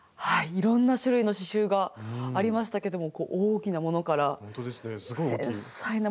いろんな種類の刺しゅうがありましたけどもこう大きなものから繊細なものまで。